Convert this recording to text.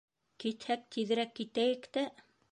Китһәк, тиҙерәк китәйек тә.